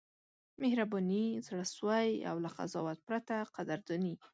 مهرباني، زړه سوی او له قضاوت پرته قدرداني: